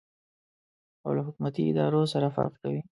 او له حکومتي ادارو سره فرق کوي.